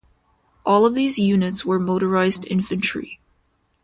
All of these units were motorized infantry.